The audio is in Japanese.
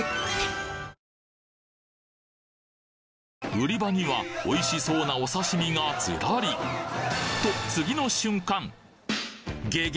売り場にはおいしそうなお刺身がずらりとげげ！